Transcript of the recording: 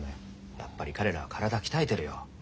やっぱり彼らは体鍛えてるよ。